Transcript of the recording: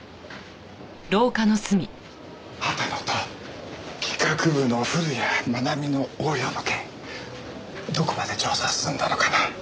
畑野と企画部の古谷愛美の横領の件どこまで調査進んだのかな？